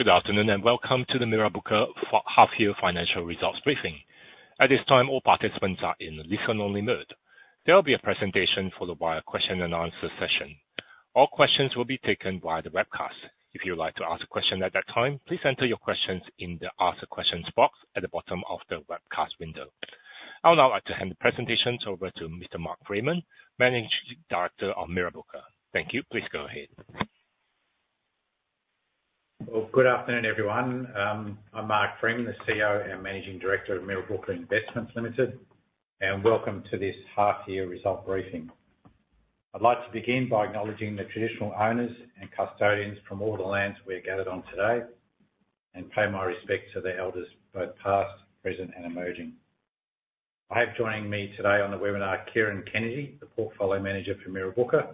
Good afternoon, and welcome to the Mirrabooka Half Year financial results briefing. At this time, all participants are in listen-only mode. There will be a presentation followed by a question and answer session. All questions will be taken via the webcast. If you would like to ask a question at that time, please enter your questions in the Ask a Question box at the bottom of the webcast window. I would now like to hand the presentations over to Mr. Mark Freeman, Managing Director of Mirrabooka. Thank you. Please go ahead. Well, good afternoon, everyone. I'm Mark Freeman, the CEO and Managing Director of Mirrabooka Investments Limited, and welcome to this half year result briefing. I'd like to begin by acknowledging the traditional owners and custodians from all the lands we are gathered on today, and pay my respects to the elders, both past, present, and emerging. I have joining me today on the webinar, Kieran Kennedy, the Portfolio Manager for Mirrabooka,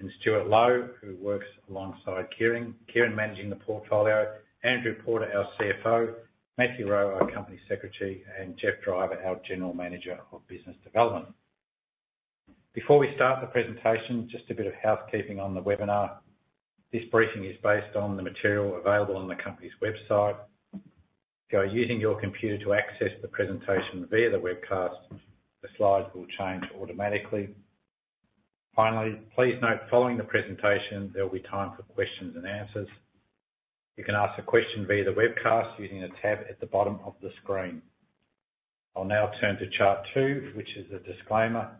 and Stuart Low, who works alongside Kieran. Kieran managing the portfolio, Andrew Porter, our CFO, Matthew Rowe, our Company Secretary, and Geoff Driver, our General Manager of Business Development. Before we start the presentation, just a bit of housekeeping on the webinar. This briefing is based on the material available on the company's website. If you are using your computer to access the presentation via the webcast, the slides will change automatically. Finally, please note, following the presentation, there will be time for questions and answers. You can ask a question via the webcast using the tab at the bottom of the screen. I'll now turn to chart 2, which is a disclaimer,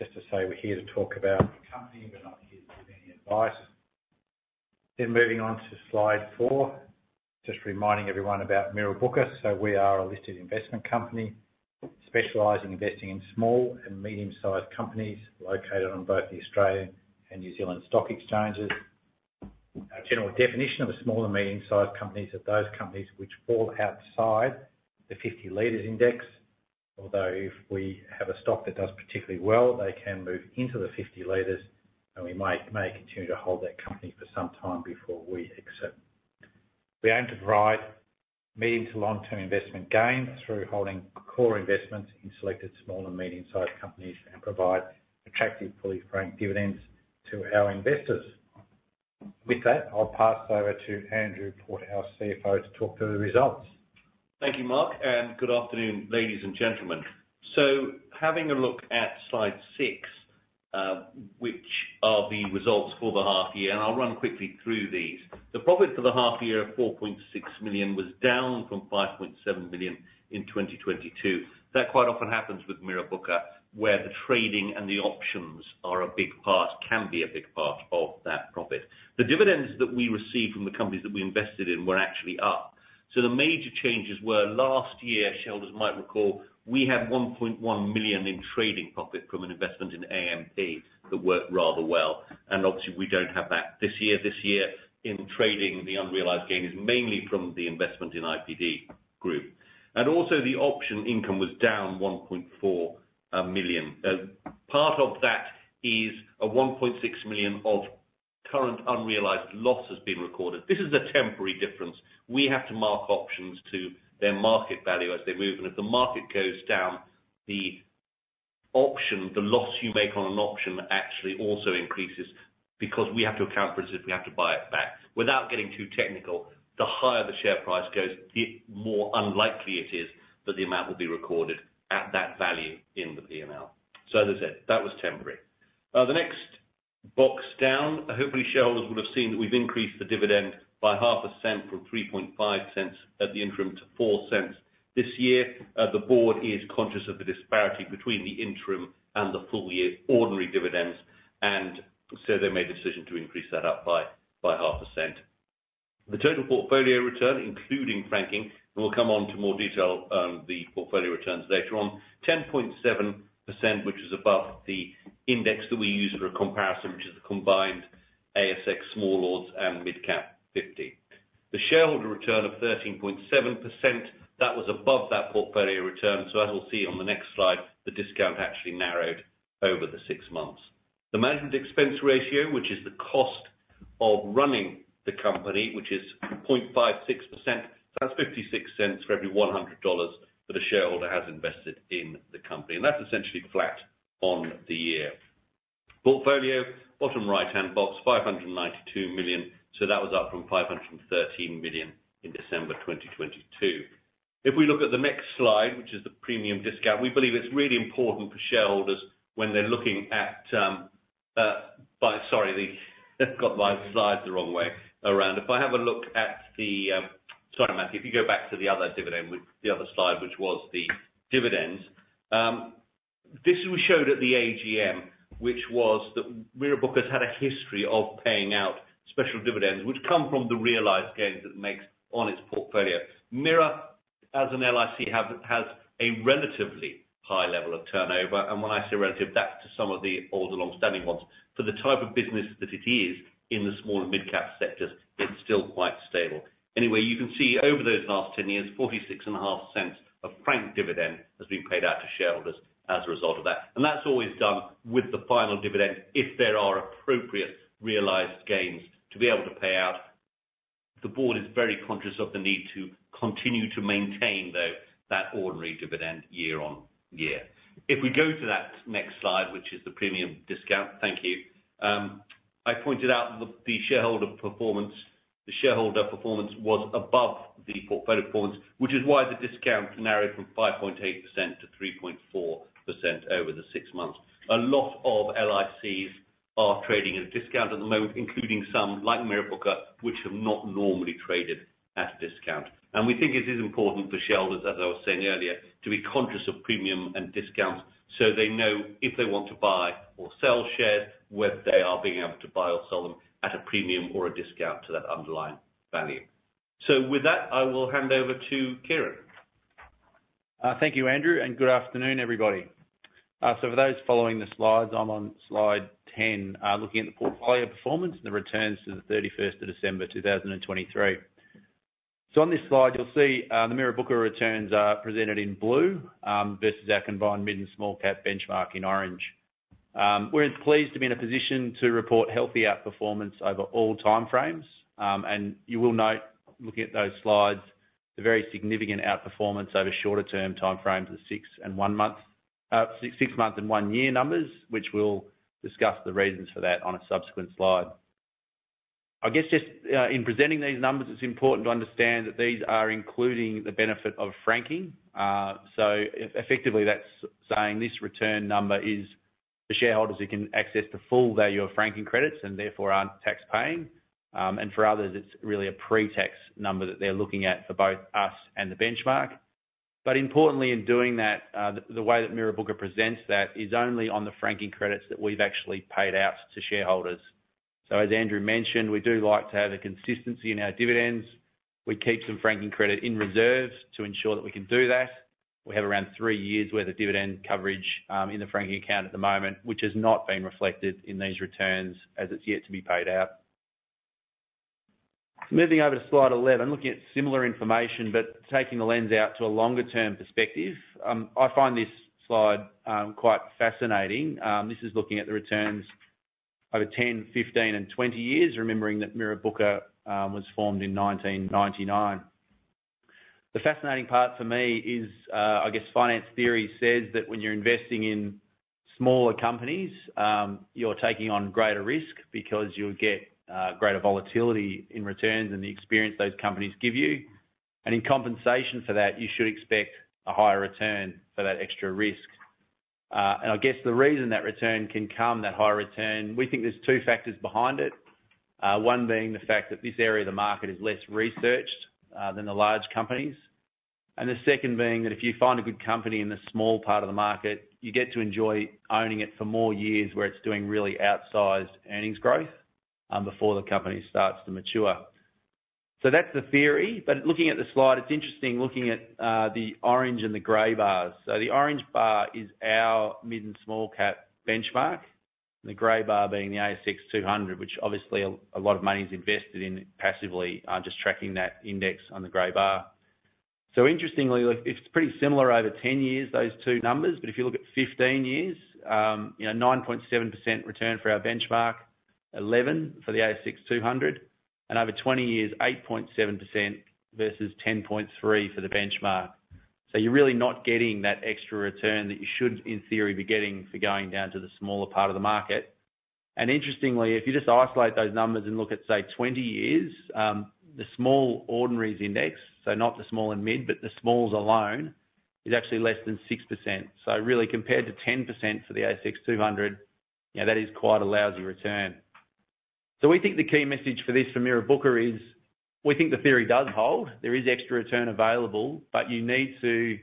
just to say we're here to talk about the company, we're not here to give any advice. Then moving on to slide 4, just reminding everyone about Mirrabooka. We are a listed investment company, specializing in investing in small and medium-sized companies located on both the Australian and New Zealand stock exchanges. Our general definition of a small and medium-sized companies are those companies which fall outside the 50 Leaders Index. Although if we have a stock that does particularly well, they can move into the 50 Leaders, and we may continue to hold that company for some time before we exit. We aim to provide medium to long-term investment gains through holding core investments in selected small and medium-sized companies, and provide attractive, fully franked dividends to our investors. With that, I'll pass over to Andrew Porter, our CFO, to talk through the results. Thank you, Mark, and good afternoon, ladies and gentlemen. Having a look at slide 6, which are the results for the half year, and I'll run quickly through these. The profit for the half year of 4.6 million was down from 5.7 million in 2022. That quite often happens with Mirrabooka, where the trading and the options are a big part, can be a big part of that profit. The dividends that we receive from the companies that we invested in were actually up. The major changes were last year, shareholders might recall, we had 1.1 million in trading profit from an investment in AMP that worked rather well, and obviously, we don't have that this year. This year, in trading, the unrealized gain is mainly from the investment in IPD Group, and also the option income was down 1.4 million. Part of that is a 1.6 million of current unrealized loss has been recorded. This is a temporary difference. We have to mark options to their market value as they move, and if the market goes down, the option, the loss you make on an option actually also increases because we have to account for it, as if we have to buy it back. Without getting too technical, the higher the share price goes, the more unlikely it is that the amount will be recorded at that value in the P&L. As I said, that was temporary. The next box down, hopefully shareholders would have seen that we've increased the dividend by AUD 0.005 from 0.035 at the interim to 0.04 this year. The board is conscious of the disparity between the interim and the full year ordinary dividends, and so they made a decision to increase that up by half a cent. The total portfolio return, including franking, and we'll come on to more detail on the portfolio returns later on. 10.7%, which is above the index that we use for a comparison, which is a combined ASX Small Ordinaries and MidCap 50. The shareholder return of 13.7%, that was above that portfolio return, so as we'll see on the next slide, the discount actually narrowed over the six months. The management expense ratio, which is the cost of running the company, which is 0.56%. That's 0.56 for every 100 dollars that a shareholder has invested in the company, and that's essentially flat on the year. Portfolio, bottom right-hand box, 592 million, so that was up from 513 million in December 2022. If we look at the next slide, which is the premium discount, we believe it's really important for shareholders when they're looking at. Sorry, just got my slides the wrong way around. If I have a look at the. Sorry, Matthew, if you go back to the other dividend, which the other slide, which was the dividends. This we showed at the AGM, which was that Mirrabooka's had a history of paying out special dividends, which come from the realized gains it makes on its portfolio. Mirrabooka, as an LIC, has a relatively high level of turnover, and when I say relative, that's to some of the older, long-standing ones. For the type of business that it is, in the small and mid-cap sectors, it's still quite stable. Anyway, you can see over those last 10 years, 0.465 of franked dividend has been paid out to shareholders as a result of that. That's always done with the final dividend if there are appropriate realized gains to be able to pay out. The board is very conscious of the need to continue to maintain, though, that ordinary dividend year-on-year. If we go to that next slide, which is the premium discount. Thank you. I pointed out the shareholder performance, the shareholder performance was above the portfolio performance, which is why the discount narrowed from 5.8% to 3.4% over the six months. A lot of LICs are trading at a discount at the moment, including some, like Mirrabooka, which have not normally traded at a discount. We think it is important for shareholders, as I was saying earlier, to be conscious of premium and discounts, so they know if they want to buy or sell shares, whether they are being able to buy or sell them at a premium or a discount to that underlying value. With that, I will hand over to Kieran. Thank you, Andrew, and good afternoon, everybody. For those following the slides, I'm on slide 10, looking at the portfolio performance and the returns to the 31st of December 2023. On this slide, you'll see, the Mirrabooka returns are presented in blue, versus our combined mid and small cap benchmark in orange. We're pleased to be in a position to report healthy outperformance over all time frames. You will note, looking at those slides, the very significant outperformance over shorter term time frames of 6 and 1 month, 6-month and 1-year numbers, which we'll discuss the reasons for that on a subsequent slide. I guess, just, in presenting these numbers, it's important to understand that these are including the benefit of franking. Effectively, that's saying this return number is for shareholders who can access the full value of franking credits, and therefore aren't tax paying. For others, it's really a pre-tax number that they're looking at for both us and the benchmark. Importantly, in doing that, the way that Mirrabooka presents that is only on the franking credits that we've actually paid out to shareholders. As Andrew mentioned, we do like to have a consistency in our dividends. We keep some franking credit in reserve to ensure that we can do that. We have around three years' worth of dividend coverage in the franking account at the moment, which has not been reflected in these returns as it's yet to be paid out. Moving over to slide 11, looking at similar information, but taking the lens out to a longer term perspective. I find this slide quite fascinating. This is looking at the returns over 10, 15, and 20 years, remembering that Mirrabooka was formed in 1999. The fascinating part for me is, I guess, finance theory says that when you're investing in smaller companies, you're taking on greater risk because you'll get greater volatility in returns and the experience those companies give you. In compensation for that, you should expect a higher return for that extra risk. I guess the reason that return can come, that higher return, we think there's two factors behind it. One being the fact that this area of the market is less researched than the large companies. The second being, that if you find a good company in the small part of the market, you get to enjoy owning it for more years, where it's doing really outsized earnings growth, before the company starts to mature. That's the theory, but looking at the slide, it's interesting looking at the orange and the gray bars. The orange bar is our mid and small cap benchmark, and the gray bar being the ASX 200, which obviously a lot of money is invested in passively, just tracking that index on the gray bar. Interestingly, look, it's pretty similar over 10 years, those two numbers, but if you look at 15 years, you know, 9.7% return for our benchmark, 11% for the ASX 200, and over 20 years, 8.7% versus 10.3% for the benchmark. You're really not getting that extra return that you should, in theory, be getting for going down to the smaller part of the market. Interestingly, if you just isolate those numbers and look at, say 20 years, the Small Ordinaries Index, so not the small and mid, but the smalls alone, is actually less than 6%. Really, compared to 10% for the ASX 200, yeah, that is quite a lousy return. We think the key message for this, for Mirrabooka is, we think the theory does hold. There is extra return available, but you need to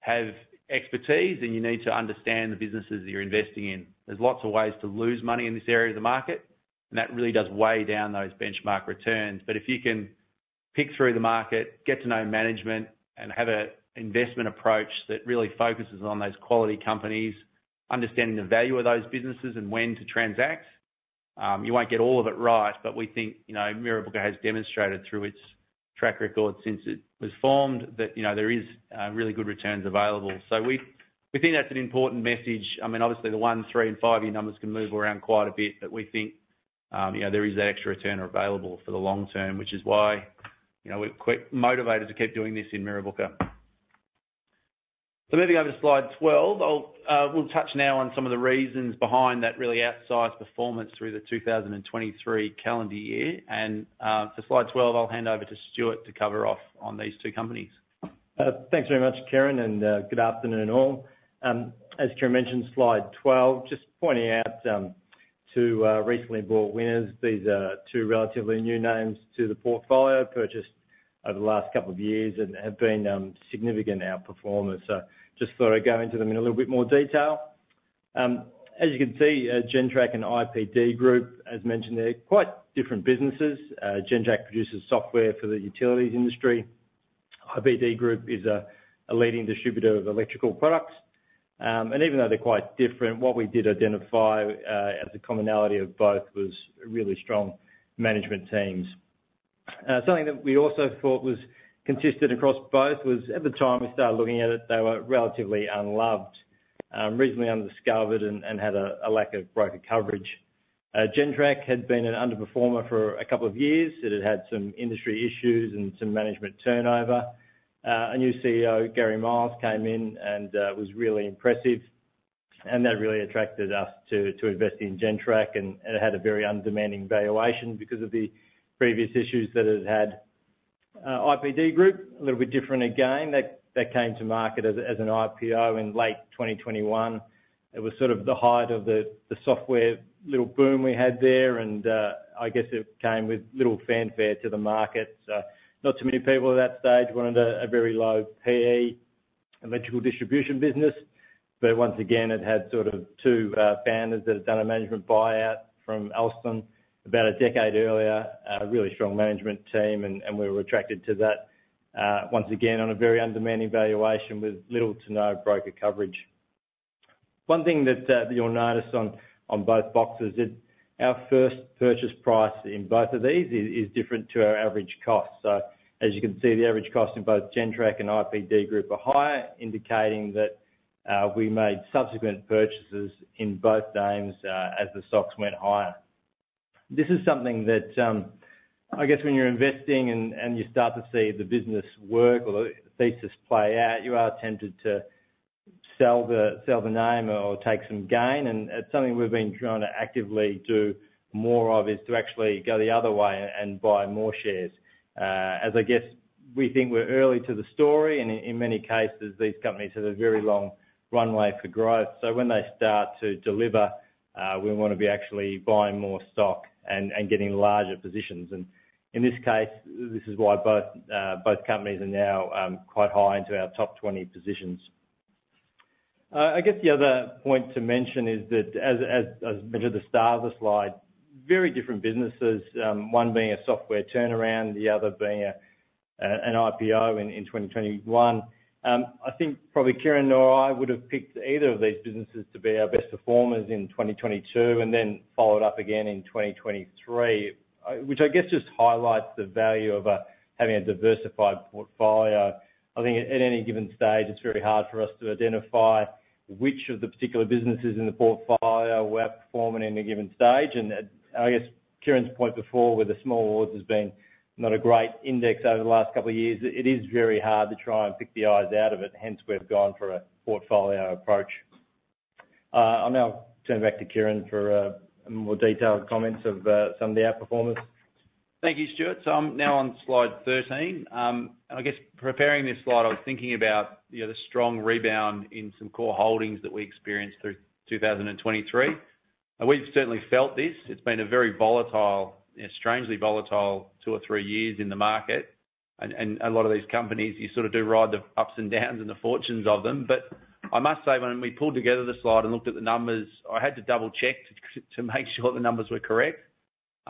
have expertise, and you need to understand the businesses you're investing in. There's lots of ways to lose money in this area of the market, and that really does weigh down those benchmark returns. If you can pick through the market, get to know management, and have a investment approach that really focuses on those quality companies, understanding the value of those businesses and when to transact. You won't get all of it right, but we think, you know, Mirrabooka has demonstrated through its track record since it was formed, that, you know, there is really good returns available. We think that's an important message. I mean, obviously, the 1-, 3-, and 5-year numbers can move around quite a bit, but we think, you know, there is that extra return available for the long term, which is why, you know, we're quite motivated to keep doing this in Mirrabooka. Moving on to slide 12, I'll we'll touch now on some of the reasons behind that really outsized performance through the 2023 calendar year. For slide 12, I'll hand over to Stuart to cover off on these 2 companies. Thanks very much, Kieran, and good afternoon, all. As Kieran mentioned, slide 12, just pointing out two recently bought winners. These are two relatively new names to the portfolio, purchased over the last couple of years and have been significant outperformers. Just thought I'd go into them in a little bit more detail. As you can see, Gentrack and IPD Group, as mentioned, they're quite different businesses. Gentrack produces software for the utilities industry. IPD Group is a leading distributor of electrical products. Even though they're quite different, what we did identify as a commonality of both was really strong management teams. Something that we also thought was consistent across both was, at the time we started looking at it, they were relatively unloved, reasonably undiscovered and had a lack of broker coverage. Gentrack had been an underperformer for a couple of years. It had had some industry issues and some management turnover. A new CEO, Gary Miles, came in and was really impressive, and that really attracted us to invest in Gentrack, and it had a very undemanding valuation because of the previous issues that it had. IPD Group, a little bit different again. That came to market as an IPO in late 2021. It was sort of the height of the software little boom we had there, and I guess it came with little fanfare to the market. Not too many people at that stage wanted a very low PE Electrical Distribution business. Once again, it had sort of two founders that had done a management buyout from Alstom about a decade earlier. A really strong management team, and we were attracted to that, once again, on a very undemanding valuation with little to no broker coverage. One thing that you'll notice on both boxes is our first purchase price in both of these is different to our average cost. As you can see, the average cost in both Gentrack and IPD Group are higher, indicating that we made subsequent purchases in both names as the stocks went higher. This is something that, I guess when you're investing and you start to see the business work or the thesis play out, you are tempted to sell the name or take some gain. And it's something we've been trying to actively do more of, is to actually go the other way and buy more shares. As I guess, we think we're early to the story, and in many cases, these companies have a very long runway for growth. When they start to deliver, we wanna be actually buying more stock and getting larger positions. In this case, this is why both companies are now quite high into our top 20 positions. I guess the other point to mention is that as mentioned at the start of the slide, very different businesses, one being a software turnaround, the other being an IPO in 2021. I think probably Kieran or I would have picked either of these businesses to be our best performers in 2022, and then followed up again in 2023. Which I guess just highlights the value of having a diversified portfolio. I think at any given stage, it's very hard for us to identify which of the particular businesses in the portfolio were outperforming in a given stage. I guess Kieran's point before, with the Small Ordinaries has been not a great index over the last couple of years. It is very hard to try and pick the odds out of it, hence we've gone for a portfolio approach. I'll now turn back to Kieran for more detailed comments of some of the outperformance. Thank you, Stuart. I'm now on slide 13. I guess preparing this slide, I was thinking about, you know, the strong rebound in some core holdings that we experienced through 2023. We've certainly felt this. It's been a very volatile, you know, strangely volatile, two or three years in the market, and a lot of these companies, you sort of do ride the ups and downs and the fortunes of them. I must say, when we pulled together the slide and looked at the numbers, I had to double-check to make sure the numbers were correct.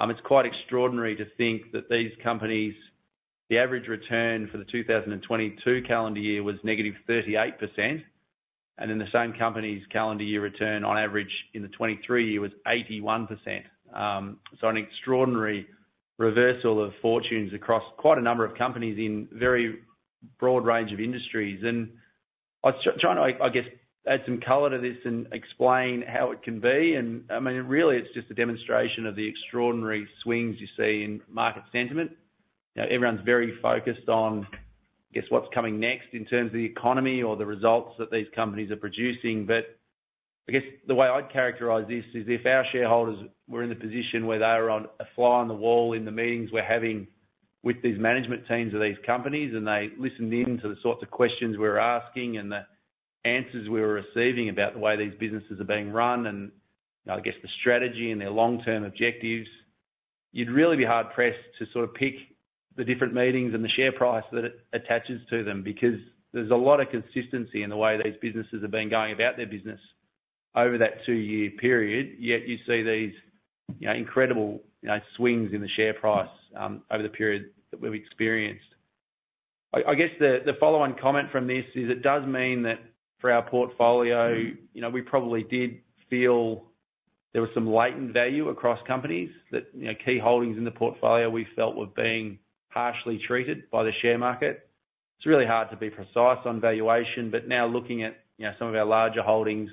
It's quite extraordinary to think that these companies, the average return for the 2022 calendar year was -38%, and then the same company's calendar year return, on average, in the 2023 year was 81%. An extraordinary reversal of fortunes across quite a number of companies in very broad range of industries. I'm trying to, I guess, add some color to this and explain how it can be, and I mean, really, it's just a demonstration of the extraordinary swings you see in market sentiment. You know, everyone's very focused on, I guess, what's coming next in terms of the economy or the results that these companies are producing. I guess the way I'd characterize this is if our shareholders were in the position where they are on a fly on the wall in the meetings we're having with these management teams of these companies, and they listened in to the sorts of questions we're asking and the answers we were receiving about the way these businesses are being run. I guess the strategy and their long-term objectives, you'd really be hard-pressed to sort of pick the different meetings and the share price that it attaches to them. Because there's a lot of consistency in the way these businesses have been going about their business over that two-year period, yet you see these, you know, incredible, you know, swings in the share price over the period that we've experienced. I guess the follow-on comment from this is, it does mean that for our portfolio, you know, we probably did feel there was some latent value across companies that, you know, key holdings in the portfolio we felt were being harshly treated by the share market. It's really hard to be precise on valuation, but now looking at, you know, some of our larger holdings,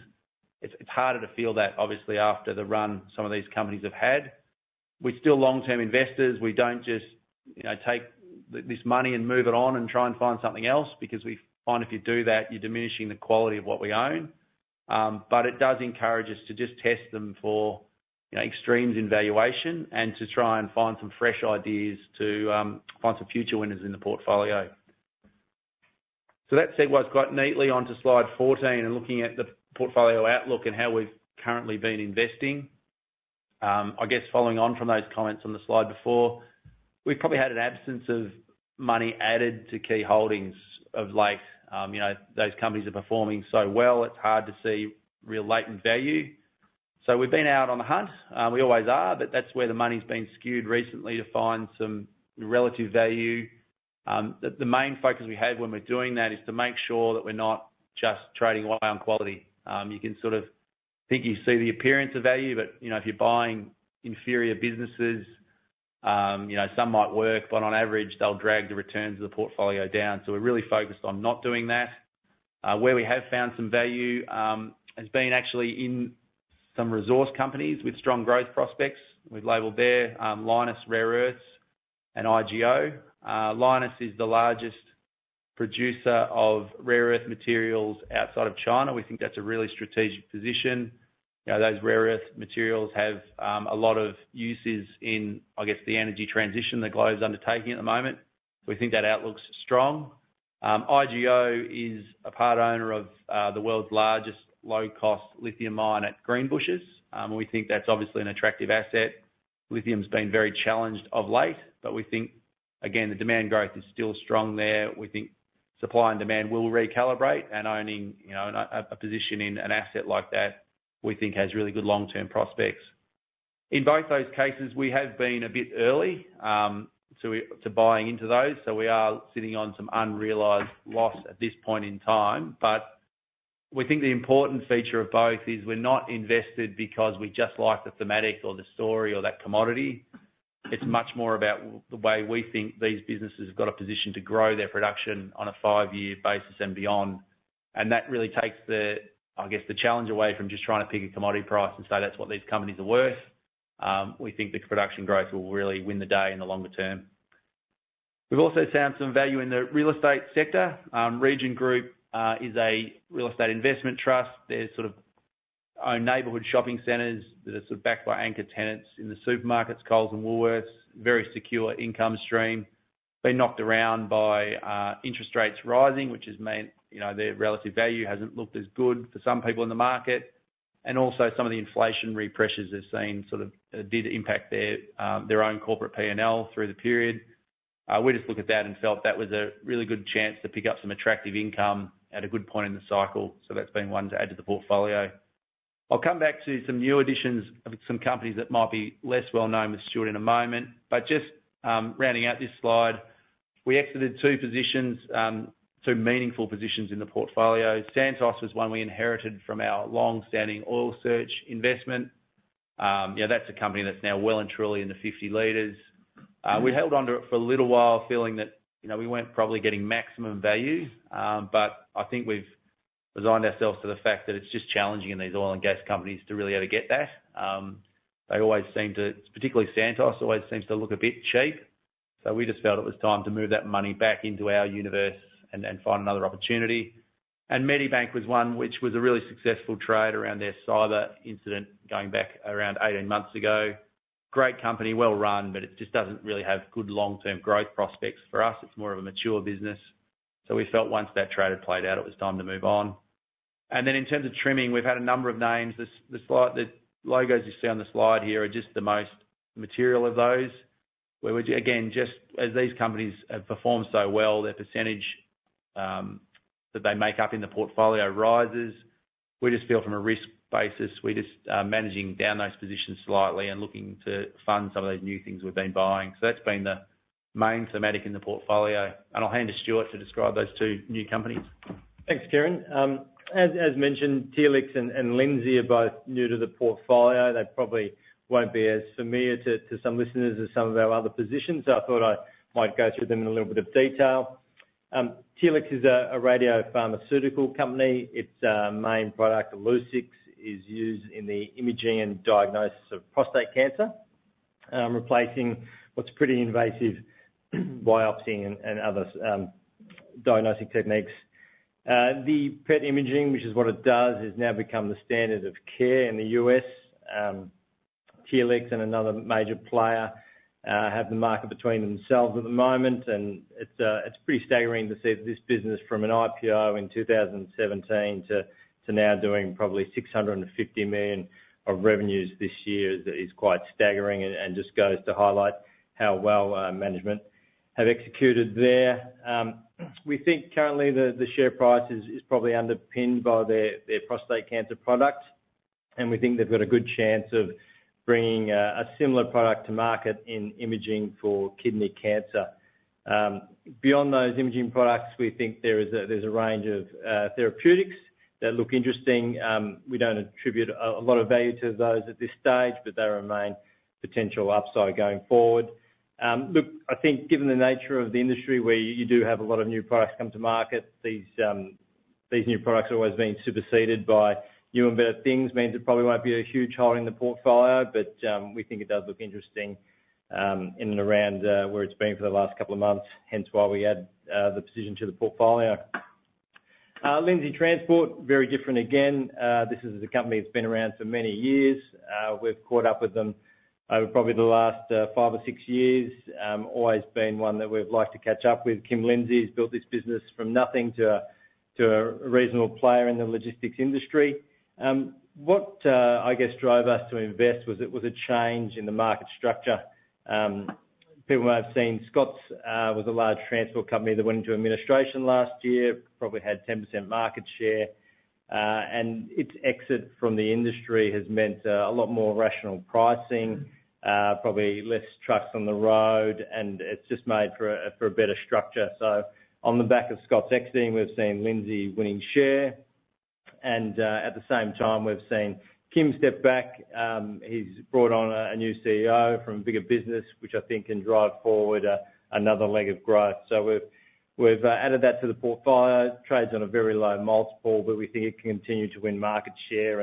it's harder to feel that obviously after the run some of these companies have had. We're still long-term investors. We don't just, you know, take this money and move it on, and try and find something else, because we find if you do that, you're diminishing the quality of what we own. It does encourage us to just test them for, you know, extremes in valuation and to try and find some fresh ideas to find some future winners in the portfolio. That segues quite neatly onto slide 14, and looking at the portfolio outlook and how we've currently been investing. I guess following on from those comments on the slide before, we've probably had an absence of money added to key holdings of late. You know, those companies are performing so well, it's hard to see real latent value. We've been out on the hunt. We always are, but that's where the money's been skewed recently to find some relative value. The main focus we have when we're doing that is to make sure that we're not just trading away on quality. You can sort of think you see the appearance of value, but, you know, if you're buying inferior businesses, you know, some might work, but on average, they'll drag the returns of the portfolio down. We're really focused on not doing that. Where we have found some value has been actually in some resource companies with strong growth prospects. We've labeled there Lynas Rare Earths and IGO. Lynas is the largest producer of rare earth materials outside of China. We think that's a really strategic position. You know, those rare earth materials have a lot of uses in, I guess, the energy transition the globe is undertaking at the moment. We think that outlook's strong. IGO is a part owner of the world's largest low-cost lithium mine at Greenbushes. We think that's obviously an attractive asset. Lithium's been very challenged of late, but we think, again, the demand growth is still strong there. We think supply and demand will recalibrate, and owning, you know, a position in an asset like that, we think has really good long-term prospects. In both those cases, we have been a bit early to buying into those, so we are sitting on some unrealized loss at this point in time. We think the important feature of both is we're not invested because we just like the thematic or the story or that commodity. It's much more about the way we think these businesses have got a position to grow their production on a five-year basis and beyond. That really takes the, I guess, the challenge away from just trying to pick a commodity price, and so that's what these companies are worth. We think the production growth will really win the day in the longer term. We've also found some value in the real estate sector. Region Group is a real estate investment trust. They sort of own neighborhood shopping centers that are sort of backed by anchor tenants in the supermarkets, Coles and Woolworths. Very secure income stream. Been knocked around by interest rates rising, which has meant, you know, their relative value hasn't looked as good for some people in the market. Also some of the inflationary pressures have seen sort of impact their own corporate PNL through the period. We just looked at that and felt that was a really good chance to pick up some attractive income at a good point in the cycle, so that's been one to add to the portfolio. I'll come back to some new additions of some companies that might be less well known with Stuart in a moment, but just, rounding out this slide, we exited two positions, two meaningful positions in the portfolio. Santos was one we inherited from our long-standing Oil Search investment. Yeah, that's a company that's now well and truly in the 50 Leaders. We held onto it for a little while, feeling that, you know, we weren't probably getting maximum value, but I think we've resigned ourselves to the fact that it's just challenging in these oil and gas companies to really ever get that. They always seem to, particularly Santos, always seems to look a bit cheap, so we just felt it was time to move that money back into our universe and then find another opportunity. Medibank was one, which was a really successful trade around their cyber incident going back around 18 months ago. Great company, well run, but it just doesn't really have good long-term growth prospects. For us, it's more of a mature business. We felt once that trade had played out, it was time to move on. Then in terms of trimming, we've had a number of names. The slide, the logos you see on the slide here are just the most material of those, where we again, just as these companies have performed so well, their percentage that they make up in the portfolio rises. We just feel from a risk basis, we're just managing down those positions slightly and looking to fund some of these new things we've been buying. That's been the main thematic in the portfolio, and I'll hand to Stuart to describe those two new companies. Thanks, Kieran. As mentioned, Telix and Lindsay are both new to the portfolio. They probably won't be as familiar to some listeners as some of our other positions. I thought I might go through them in a little bit of detail. Telix is a radiopharmaceutical company. Its main product, Illuccix, is used in the imaging and diagnosis of prostate cancer, replacing what's pretty invasive biopsy and other diagnostic techniques. The PET imaging, which is what it does, has now become the standard of care in the U.S. Telix and another major player have the market between themselves at the moment, and it's pretty staggering to see this business from an IPO in 2017 to now doing probably 650 million of revenues this year is quite staggering and just goes to highlight how well management have executed there. We think currently the share price is probably underpinned by their prostate cancer product, and we think they've got a good chance of bringing a similar product to market in imaging for kidney cancer. Beyond those imaging products, we think there is a range of therapeutics that look interesting. We don't attribute a lot of value to those at this stage, but they remain potential upside going forward. Look, I think given the nature of the industry, where you do have a lot of new products come to market, these new products are always being superseded by new and better things, means it probably won't be a huge hole in the portfolio, but we think it does look interesting in and around where it's been for the last couple of months, hence why we add the position to the portfolio. Lindsay Australia, very different again. This is a company that's been around for many years. We've caught up with them over probably the last five or six years. Always been one that we'd like to catch up with. Kim Lindsay has built this business from nothing to a reasonable player in the logistics industry. What I guess drove us to invest was a change in the market structure. People may have seen Scotts was a large transport company that went into administration last year, probably had 10% market share, and its exit from the industry has meant a lot more rational pricing, probably less trucks on the road, and it's just made for a better structure. On the back of Scotts exiting, we've seen Lindsay winning share, and at the same time, we've seen Kim step back. He's brought on a new CEO from a bigger business, which I think can drive forward another leg of growth. We've added that to the portfolio. Trades on a very low multiple, but we think it can continue to win market share.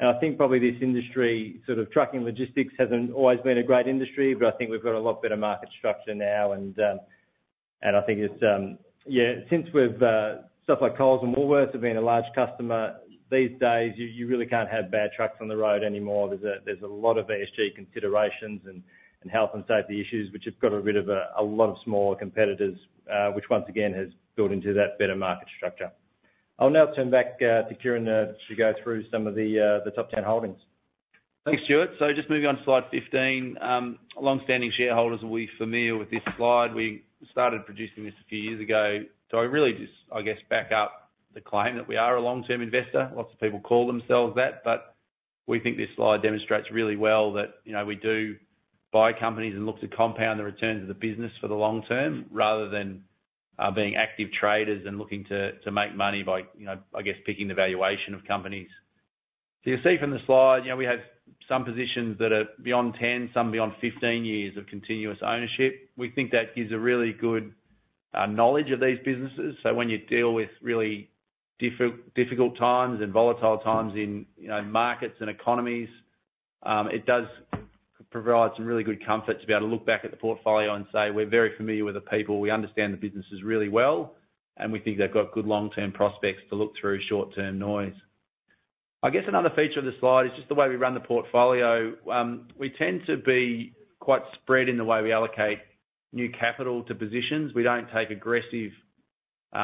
I think probably this industry, sort of trucking logistics, hasn't always been a great industry, but I think we've got a lot better market structure now. I think it's, yeah, since we've stuff like Coles and Woolworths have been a large customer, these days, you really can't have bad trucks on the road anymore. There's a lot of ESG considerations and health and safety issues, which have got rid of a lot of smaller competitors, which once again has built into that better market structure. I'll now turn back to Kieran to go through some of the top ten holdings. Thanks, Stuart. Just moving on to slide 15. Longstanding shareholders will be familiar with this slide. We started producing this a few years ago. I really just, I guess, back up the claim that we are a long-term investor. Lots of people call themselves that, but we think this slide demonstrates really well that, you know, we do buy companies and look to compound the returns of the business for the long term, rather than being active traders and looking to make money by, you know, I guess, picking the valuation of companies. You'll see from the slide, you know, we have some positions that are beyond 10, some beyond 15 years of continuous ownership. We think that gives a really good knowledge of these businesses. When you deal with really difficult times and volatile times in, you know, markets and economies, it does provide some really good comfort to be able to look back at the portfolio and say, "We're very familiar with the people. We understand the businesses really well, and we think they've got good long-term prospects to look through short-term noise." I guess another feature of this slide is just the way we run the portfolio. We tend to be quite spread in the way we allocate new capital to positions. We don't take aggressive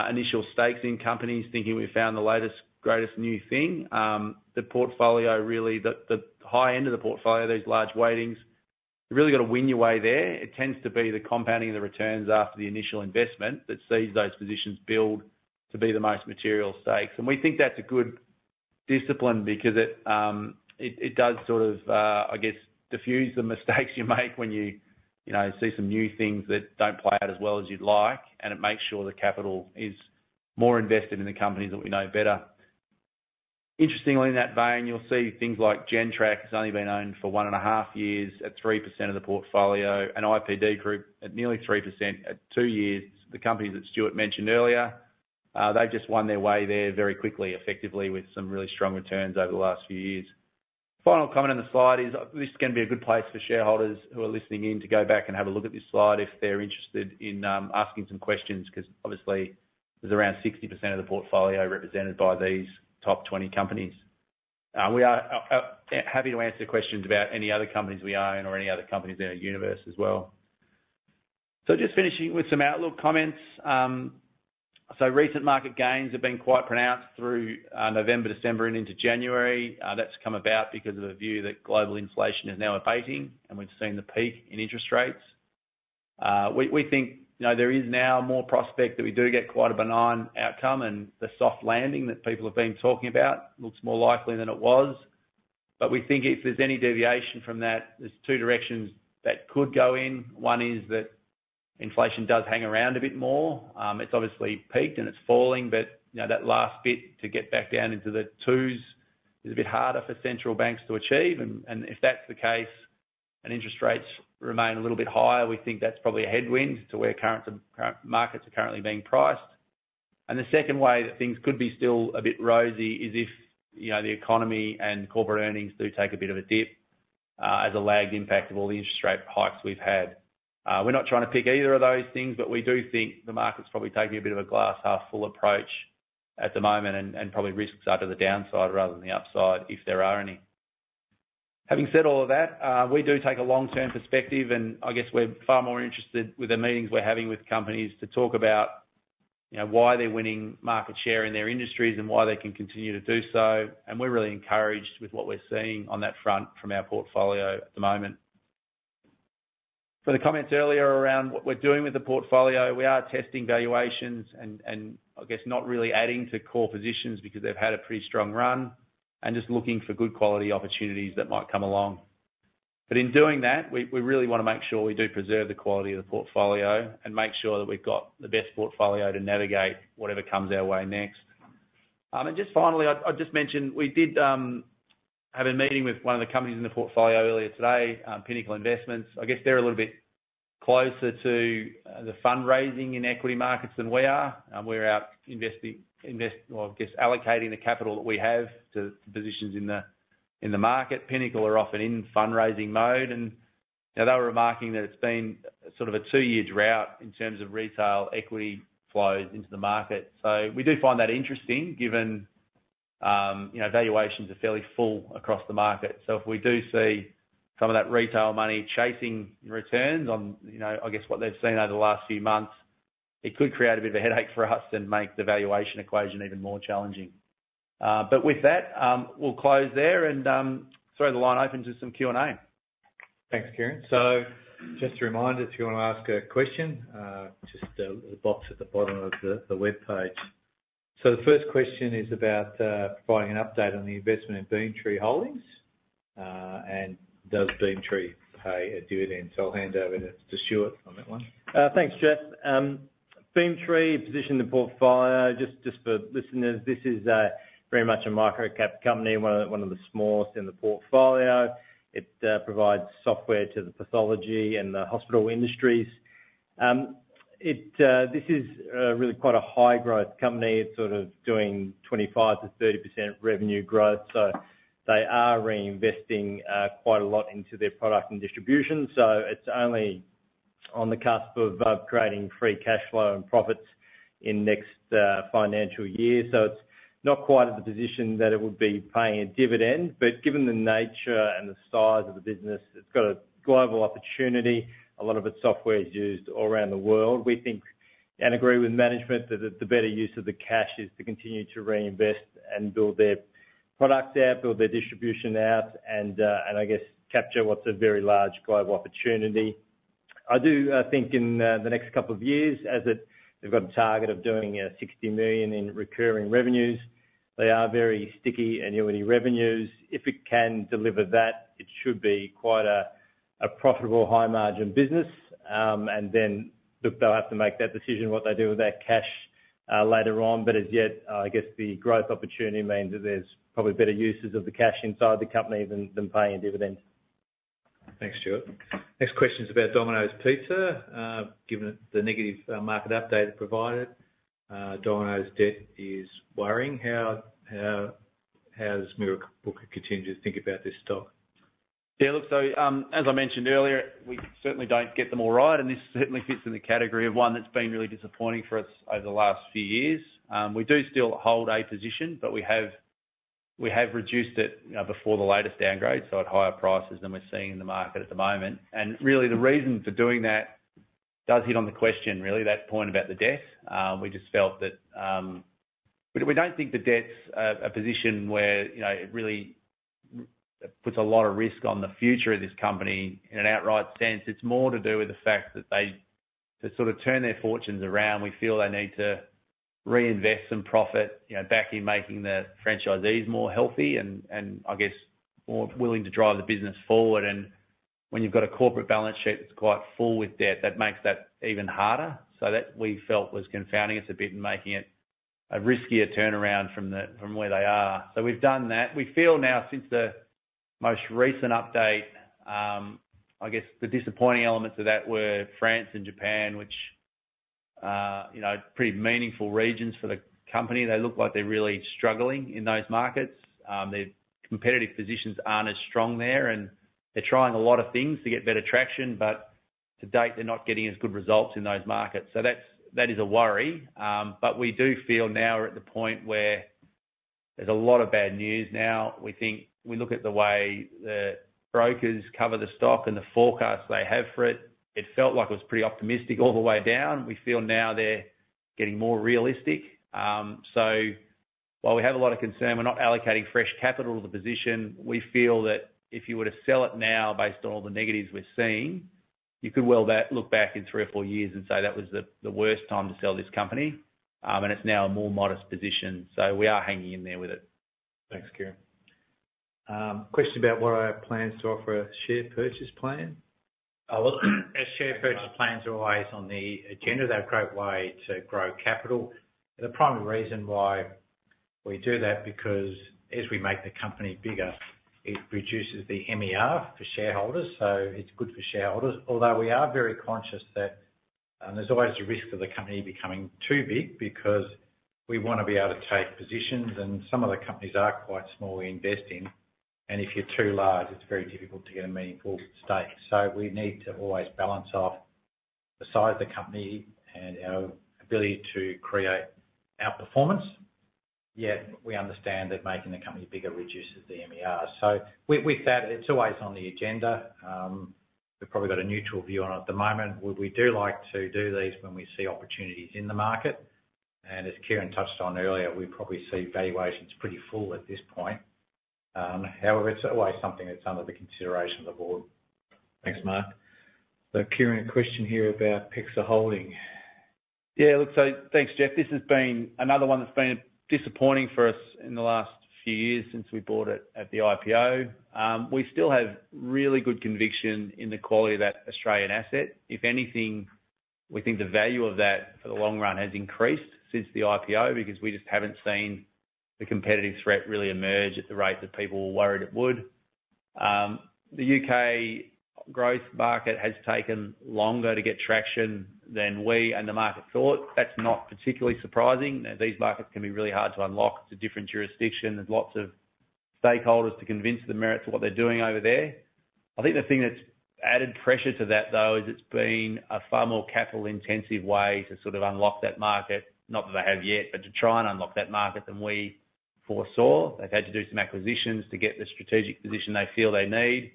initial stakes in companies thinking we've found the latest, greatest new thing. The portfolio really, the high end of the portfolio, these large weightings, you've really got to win your way there. It tends to be the compounding of the returns after the initial investment, that sees those positions build to be the most material stakes. We think that's a good discipline because it does sort of, I guess, diffuse the mistakes you make when you, you know, see some new things that don't play out as well as you'd like, and it makes sure the capital is more invested in the companies that we know better. Interestingly, in that vein, you'll see things like Gentrack has only been owned for 1.5 years at 3% of the portfolio, and IPD Group at nearly 3% at 2 years. The companies that Stuart mentioned earlier, they've just won their way there very quickly, effectively, with some really strong returns over the last few years. Final comment on the slide is, this is gonna be a good place for shareholders who are listening in to go back and have a look at this slide if they're interested in asking some questions, 'cause obviously, there's around 60% of the portfolio represented by these top 20 companies. We are happy to answer questions about any other companies we own or any other companies in our universe as well. Just finishing with some outlook comments. Recent market gains have been quite pronounced through November, December and into January. That's come about because of the view that global inflation is now abating, and we've seen the peak in interest rates. We think, you know, there is now more prospect that we do get quite a benign outcome, and the soft landing that people have been talking about looks more likely than it was. We think if there's any deviation from that, there's two directions that could go in. One is that inflation does hang around a bit more. It's obviously peaked and it's falling, but, you know, that last bit to get back down into the twos is a bit harder for central banks to achieve, and if that's the case and interest rates remain a little bit higher, we think that's probably a headwind to where current markets are currently being priced. The second way that things could be still a bit rosy is if, you know, the economy and corporate earnings do take a bit of a dip, as a lagged impact of all the interest rate hikes we've had. We're not trying to pick either of those things, but we do think the market's probably taking a bit of a glass-half-full approach at the moment, and, and probably risks out of the downside rather than the upside, if there are any. Having said all of that, we do take a long-term perspective, and I guess we're far more interested with the meetings we're having with companies to talk about, you know, why they're winning market share in their industries and why they can continue to do so. And we're really encouraged with what we're seeing on that front from our portfolio at the moment. For the comments earlier around what we're doing with the portfolio, we are testing valuations and I guess not really adding to core positions because they've had a pretty strong run, and just looking for good quality opportunities that might come along. In doing that, we really wanna make sure we do preserve the quality of the portfolio, and make sure that we've got the best portfolio to navigate whatever comes our way next. Just finally, I just mentioned we did have a meeting with one of the companies in the portfolio earlier today, Pinnacle Investments. I guess they're a little bit closer to the fundraising in equity markets than we are. We're out investing or I guess allocating the capital that we have to positions in the market. Pinnacle are often in fundraising mode, and now they were remarking that it's been sort of a two-year drought in terms of retail equity flows into the market. We do find that interesting, given, you know, valuations are fairly full across the market. If we do see some of that retail money chasing returns on, you know, I guess what they've seen over the last few months, it could create a bit of a headache for us and make the valuation equation even more challenging. With that, we'll close there and throw the line open to some Q&A. Thanks, Kieran. Just a reminder, if you wanna ask a question, just the box at the bottom of the webpage. The first question is about providing an update on the investment in Beamtree Holdings, and does Beamtree pay a dividend? I'll hand over to Stuart on that one. Thanks, Geoff. Beamtree position in the portfolio, just for listeners, this is very much a microcap company, one of the smallest in the portfolio. It provides software to the pathology and the hospital industries. This is really quite a high-growth company. It's sort of doing 25%-30% revenue growth, so they are reinvesting quite a lot into their product and distribution. It's only on the cusp of creating free cash flow and profits in next financial year. It's not quite at the position that it would be paying a dividend, but given the nature and the size of the business, it's got a global opportunity. A lot of its software is used all around the world. We think, and agree with management, that the better use of the cash is to continue to reinvest and build their product out, build their distribution out, and I guess capture what's a very large global opportunity. I do think in the next couple of years, they've got a target of doing 60 million in recurring revenues, they are very sticky annuity revenues. If it can deliver that, it should be quite a profitable, high-margin business. Then look, they'll have to make that decision, what they do with that cash, later on. As yet, I guess the growth opportunity means that there's probably better uses of the cash inside the company than paying a dividend. Thanks, Stuart. Next question is about Domino's Pizza. Given the negative market update it provided, Domino's debt is worrying. How does Mirrabooka continue to think about this stock? Yeah, look, so, as I mentioned earlier, we certainly don't get them all right, and this certainly fits in the category of one that's been really disappointing for us over the last few years. We do still hold a position, but we have reduced it before the latest downgrade, so at higher prices than we're seeing in the market at the moment. Really, the reason for doing that does hit on the question, really, that point about the debt. We just felt that, we don't think the debt's a position where, you know, it really puts a lot of risk on the future of this company in an outright sense. It's more to do with the fact that they, to sort of turn their fortunes around, we feel they need to reinvest some profit, you know, back in making the franchisees more healthy and, and I guess, more willing to drive the business forward. When you've got a corporate balance sheet that's quite full with debt, that makes that even harder. That, we felt was confounding us a bit and making it a riskier turnaround from where they are. We've done that. We feel now, since the most recent update, I guess, the disappointing elements of that were France and Japan, which, you know, are pretty meaningful regions for the company. They look like they're really struggling in those markets. Their competitive positions aren't as strong there, and they're trying a lot of things to get better traction, but to date, they're not getting as good results in those markets. That's, that is a worry. We do feel now we're at the point where there's a lot of bad news now. We think, we look at the way the brokers cover the stock and the forecast they have for it. It felt like it was pretty optimistic all the way down. We feel now they're getting more realistic. While we have a lot of concern, we're not allocating fresh capital to the position. We feel that if you were to sell it now, based on all the negatives we're seeing, you could well look back in three or four years and say, "That was the worst time to sell this company." It's now a more modest position, so we are hanging in there with it. Thanks, Kieran. Question about what are our plans to offer a share purchase plan? Oh, well, as share purchase plans are always on the agenda, they're a great way to grow capital. The primary reason why we do that, because as we make the company bigger, it reduces the MER for shareholders, so it's good for shareholders. Although, we are very conscious that, there's always a risk of the company becoming too big, because we wanna be able to take positions, and some of the companies are quite small, we invest in, and if you're too large, it's very difficult to get a meaningful stake. We need to always balance off the size of the company and our ability to create outperformance. Yet, we understand that making the company bigger reduces the MER. So with that, it's always on the agenda. We've probably got a neutral view on it at the moment. We do like to do these when we see opportunities in the market, and as Kieran touched on earlier, we probably see valuations pretty full at this point. However, it's always something that's under the consideration of the board. Thanks, Mark. Kieran, a question here about PEXA Group. Yeah, look, so thanks, Geoff. This has been another one that's been disappointing for us in the last few years since we bought it at the IPO. We still have really good conviction in the quality of that Australian asset. If anything, we think the value of that for the long run has increased since the IPO, because we just haven't seen the competitive threat really emerge at the rate that people were worried it would. The U.K. growth market has taken longer to get traction than we and the market thought. That's not particularly surprising. Now, these markets can be really hard to unlock. It's a different jurisdiction. There's lots of stakeholders to convince the merits of what they're doing over there. I think the thing that's added pressure to that, though, is it's been a far more capital-intensive way to sort of unlock that market, not that they have yet, but to try and unlock that market than we foresaw. They've had to do some acquisitions to get the strategic position they feel they need.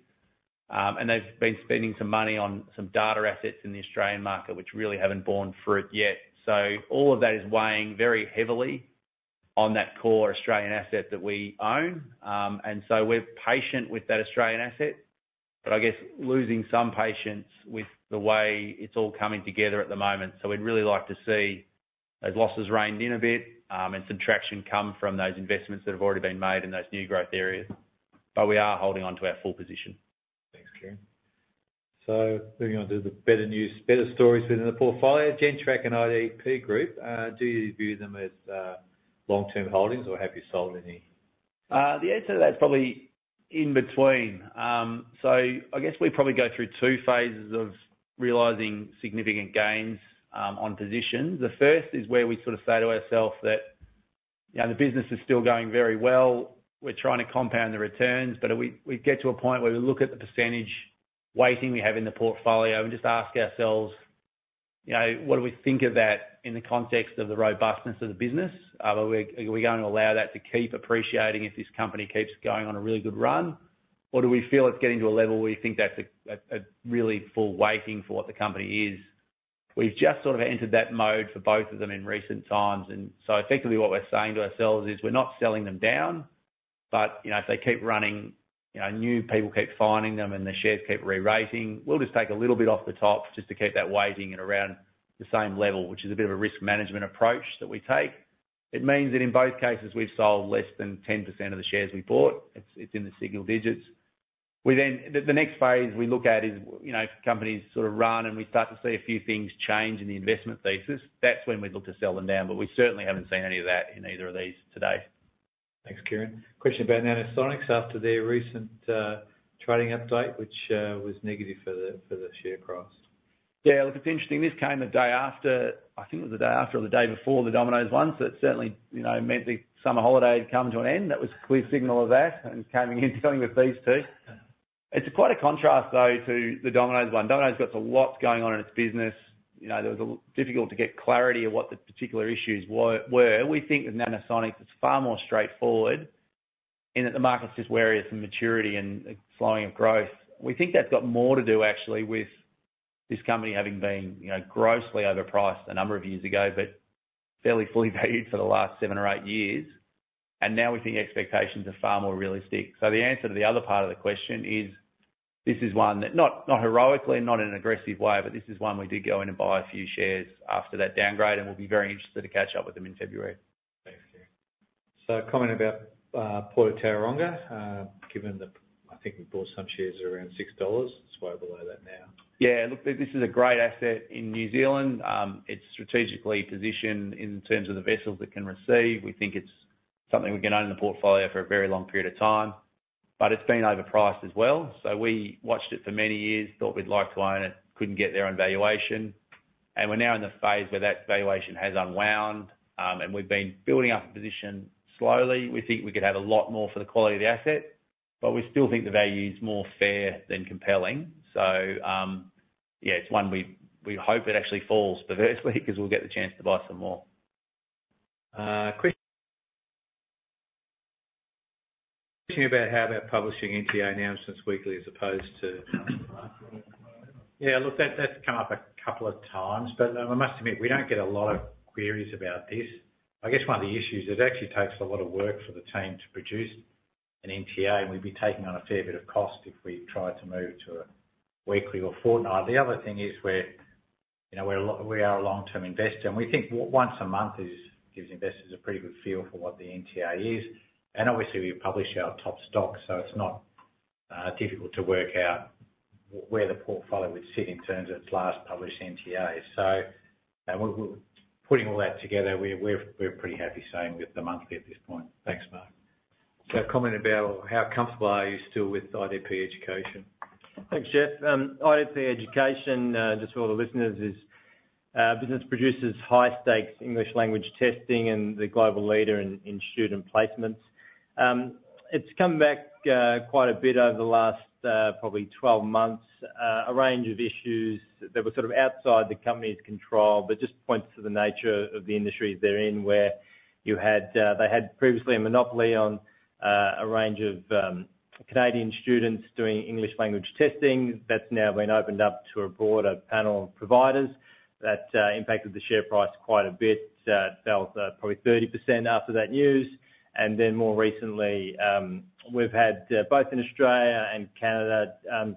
They've been spending some money on some data assets in the Australian market, which really haven't borne fruit yet. All of that is weighing very heavily on that core Australian asset that we own. We're patient with that Australian asset, but I guess losing some patience with the way it's all coming together at the moment. We'd really like to see those losses reined in a bit, and some traction come from those investments that have already been made in those new growth areas. We are holding on to our full position. Thanks, Kieran. Moving on to the better news, better stories within the portfolio, Gentrack and IPD Group. Do you view them as, long-term holdings, or have you sold any? The answer to that is probably in between. I guess we probably go through two phases of realizing significant gains on positions. The first is where we sort of say to ourselves Yeah, the business is still going very well. We're trying to compound the returns, but we get to a point where we look at the percentage weighting we have in the portfolio and just ask ourselves, you know, what do we think of that in the context of the robustness of the business? Are we going to allow that to keep appreciating if this company keeps going on a really good run? Or do we feel it's getting to a level where we think that's a really full weighting for what the company is? We've just sort of entered that mode for both of them in recent times, and so effectively, what we're saying to ourselves is, we're not selling them down. You know, if they keep running, you know, new people keep finding them and the shares keep rerating, we'll just take a little bit off the top just to keep that weighting at around the same level, which is a bit of a risk management approach that we take. It means that in both cases, we've sold less than 10% of the shares we bought. It's in the single digits. We then, the next phase we look at is, you know, if companies sort of run, and we start to see a few things change in the investment thesis, that's when we look to sell them down, but we certainly haven't seen any of that in either of these today. Thanks, Kieran. Question about Nanosonics after their recent trading update, which was negative for the share price. Yeah, look, it's interesting. This came a day after, I think it was the day after or the day before the Domino's one. It certainly, you know, meant the summer holiday had come to an end. That was a clear signal of that and coming into something with these two. It's quite a contrast, though, to the Domino's one. Domino's got a lot going on in its business. You know, there was a difficult to get clarity on what the particular issues were. We think that Nanosonics is far more straightforward, and that the market's just wary of some maturity and slowing of growth. We think that's got more to do actually with this company having been, you know, grossly overpriced a number of years ago, but fairly fully valued for the last seven or eight years. And now we think expectations are far more realistic. The answer to the other part of the question is, this is one that not, not heroically, not in an aggressive way, but this is one we did go in and buy a few shares after that downgrade, and we'll be very interested to catch up with them in February. Thanks, Kieran. A comment about Port of Tauranga, given that I think we bought some shares around 6 dollars, it's way below that now. Yeah, look, this is a great asset in New Zealand. It's strategically positioned in terms of the vessels it can receive. We think it's something we can own in the portfolio for a very long period of time, but it's been overpriced as well. We watched it for many years, thought we'd like to own it, couldn't get there on valuation, and we're now in the phase where that valuation has unwound, and we've been building up a position slowly. We think we could have a lot more for the quality of the asset, but we still think the value is more fair than compelling. Yeah, it's one we, we hope it actually falls adversely because we'll get the chance to buy some more. Question about how about publishing NTA announcements weekly as opposed to monthly? Yeah, look, that's come up a couple of times, but I must admit, we don't get a lot of queries about this. I guess one of the issues is it actually takes a lot of work for the team to produce an NTA, and we'd be taking on a fair bit of cost if we tried to move to a weekly or fortnightly. The other thing is we're, you know, we are a long-term investor, and we think once a month is, gives investors a pretty good feel for what the NTA is. Obviously, we publish our top stocks, so it's not difficult to work out where the portfolio would sit in terms of its last published NTA. We're pretty happy staying with the monthly at this point. Thanks, Mark. A comment about how comfortable are you still with IDP Education? Thanks, Geoff. IDP Education, just for all the listeners, is business produces high-stakes English language testing and the global leader in student placements. It's come back quite a bit over the last probably 12 months. A range of issues that were sort of outside the company's control, but just points to the nature of the industries they're in, where they had previously a monopoly on a range of Canadian students doing English language testing. That's now been opened up to a broader panel of providers. That impacted the share price quite a bit, fell probably 30% after that news. Then more recently, we've had both in Australia and Canada